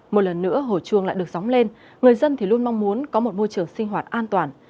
một lần nữa hồi chuông lại được sóng lên người dân thì luôn mong muốn có một môi trường sinh hoạt an toàn